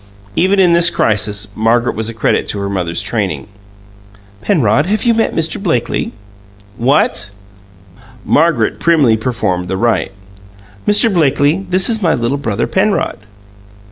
Even in this crisis, Margaret was a credit to her mother's training. "Penrod, have you met Mr. Blakely?" "What?" Margaret primly performed the rite. "Mr. Blakely, this is my little brother Penrod."